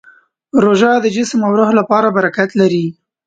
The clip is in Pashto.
روژه د جسم او روح لپاره برکت لري.